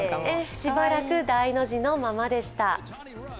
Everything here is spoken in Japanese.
しばらく大の字のままでした。